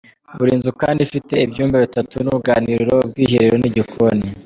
Buri nzu kandi ifite ibyumba bitatu n’uruganiriro, ubwiherero n’igikoni.